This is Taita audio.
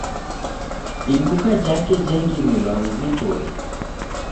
Iduka jake jengirilwa ni vitoi